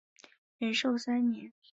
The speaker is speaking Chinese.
仁寿三年。